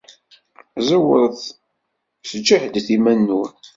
Ẓewret, sǧehdet iman-nwen.